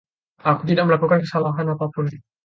Aku tidak melakukan kesalahan apapun.